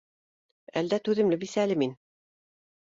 Әлдә түҙемле бисә әле мин